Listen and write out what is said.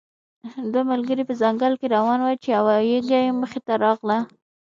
دوه ملګري په ځنګل کې روان وو چې یو یږه مخې ته راغله.